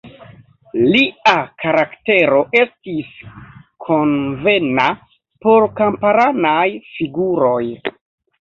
Lia karaktero estis konvena por kamparanaj figuroj.